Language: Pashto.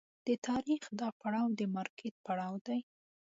د تاریخ دا پړاو د مارکېټ پړاو دی.